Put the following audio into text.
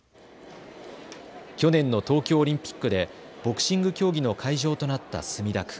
去年の東京オリンピックでボクシング競技の会場となった墨田区。